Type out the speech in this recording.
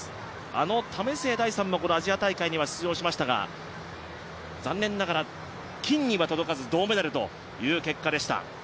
あの為末大さんもこのアジア大会には出場しましたが残念ながら金には届かず銅メダルという結果でした。